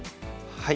はい。